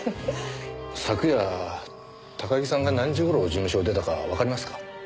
昨夜高木さんが何時頃事務所を出たかわかりますか？